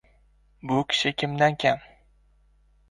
— Bu kishi kimdan kam?